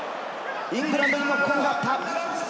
イングランドにノックオンがあった。